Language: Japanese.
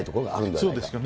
そうですよね。